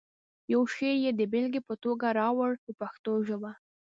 یو شعر یې د بېلګې په توګه راوړو په پښتو ژبه.